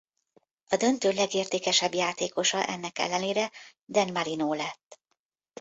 A döntő legértékesebb játékosa ennek ellenére Dan Marino lett.